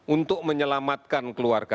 untuk menyelamatkan keluarga kita